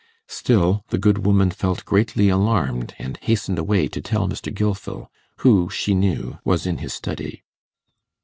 Still the good woman felt greatly alarmed, and hastened away to tell Mr. Gilfil, who, she knew, was in his study.